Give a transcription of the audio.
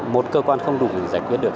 một cơ quan không đủ giải quyết được